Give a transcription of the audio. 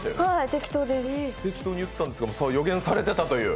適当に言ったんですけど予言されていたという。